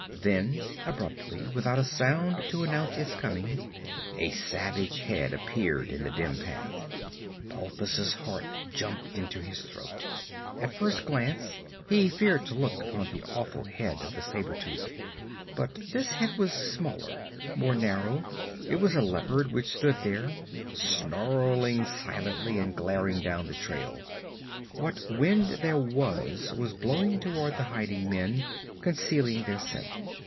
Then abruptly, without a sound to announce its coming, a savage head appeared in the dim path. Balthus' heart jumped into his throat; at first glance he feared to look upon the awful head of the saber tooth. But this head was smaller, more narrow; it was a leopard which stood there, snarling silently and glaring down the trail. What wind there was was blowing toward the hiding men, concealing their scent.